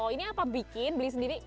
oh ini apa bikin beli sendiri